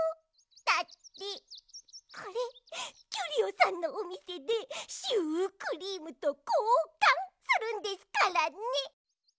だってこれキュリオさんのおみせでシュークリームとこうかんするんですからね！